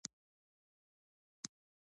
لږ څه ګڼه ګوڼه شوه.